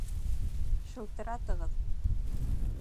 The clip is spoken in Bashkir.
Шылтыратығыҙ!